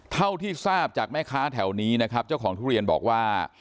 เท่าที่ทราบจากแม่ค้าแถวนี้นะครับเจ้าของทุเรียนบอกว่า